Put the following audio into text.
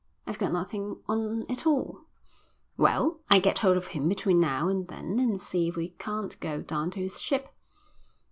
"I've got nothing on at all." "Well, I'll get hold of him between now and then and see if we can't go down to his ship."